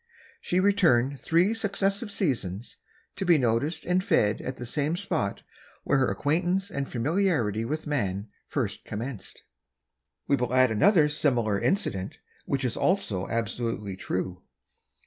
She returned three successive seasons, to be noticed and fed at the same spot where her acquaintance and familiarity with man first commenced. We will add another similar incident, which is also absolutely true.